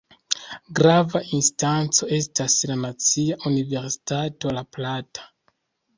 Grava instanco estas la Nacia Universitato La Plata.